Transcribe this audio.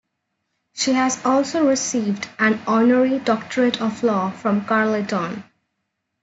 She has also received an honorary doctorate of law from Carleton.